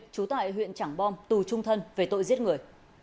trú tại huyện trảng bom tù trung thân về tội giết người